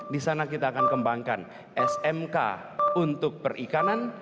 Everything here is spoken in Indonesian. di sana kita akan kembangkan smk untuk perikanan